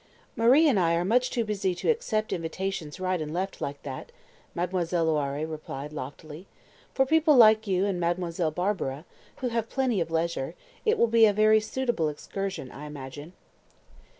"Marie and I are much too busy to accept invitations right and left like that," Mademoiselle Loiré replied loftily. "For people like you and Mademoiselle Barbara, who have plenty of leisure, it will be a very suitable excursion, I imagine."